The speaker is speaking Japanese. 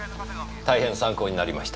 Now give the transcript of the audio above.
大変参考になりました。